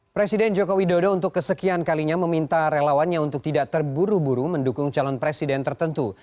presiden joko widodo untuk kesekian kalinya meminta relawannya untuk tidak terburu buru mendukung calon presiden tertentu